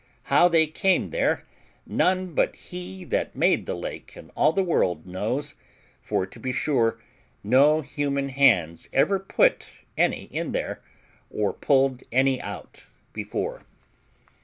How they came there, none but He that made the lake and all the world knows; for, to be sure, no human hands ever put any in there, or pulled any out before.